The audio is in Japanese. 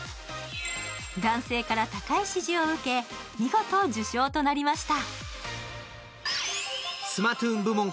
男性から高い支持を受け、見事受賞となりました。